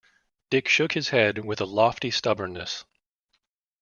Dick shook his head with a lofty stubbornness.